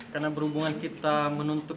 dan berapa lama itu